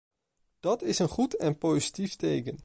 Dat is een goed en positief teken.